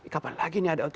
kapan lagi ini ada ott